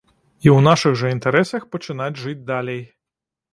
І ў нашых жа інтарэсах пачынаць жыць далей.